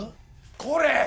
これ！